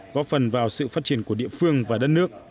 góp phần vào sự phát triển của địa phương và đất nước